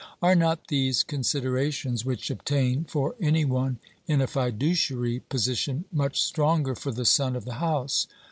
Are not these considerations, which obtain for any one in a fiduciary position, much stronger for the son of the house